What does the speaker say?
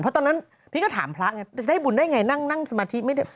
เพราะตอนนั้นพี่ก็ถามพระไงจะได้บุญได้ไงนั่งนั่งสมาธิไม่ได้